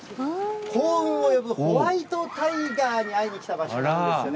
幸運を呼ぶホワイトタイガーに会いに来た場所なんですよね。